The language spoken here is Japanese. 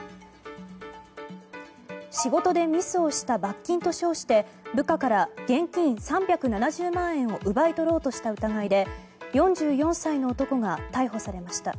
仕事でミスをした罰金と称して部下から現金３７０万円を奪い取ろうとした疑いで４４歳の男が逮捕されました。